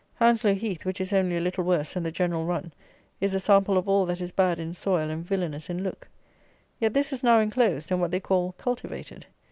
Hounslow heath, which is only a little worse than the general run, is a sample of all that is bad in soil and villanous in look. Yet this is now enclosed, and what they call "cultivated."